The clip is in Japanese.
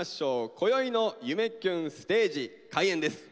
こよいの「夢キュンステージ」開演です。